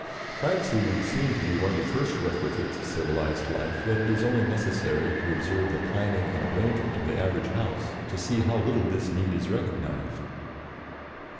Privacy would seem to be one of the first requisites of civilized life, yet it is only necessary to observe the planning and arrangement of the average house to see how little this need is recognized.